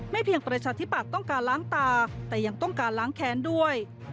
เพียงประชาธิปัตย์ต้องการล้างตาแต่ยังต้องการล้างแค้นด้วย